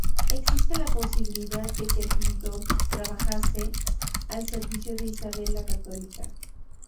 Existe la posibilidad de que el pintor trabajase al servicio de Isabel la Católica.